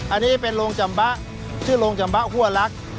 อันนี้เป็นโรงจำบะชื่อโรงจำบะหัวลักษณ์